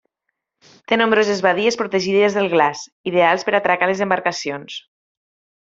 Té nombroses badies protegides del glaç, ideals per atracar les embarcacions.